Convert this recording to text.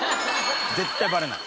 絶対バレない。